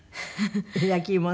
焼き芋ね。